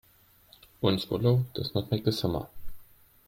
One swallow does not make a summer.